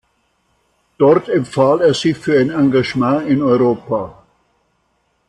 Dort empfahl er sich für ein Engagement in Europa.